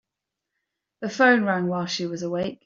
The phone rang while she was awake.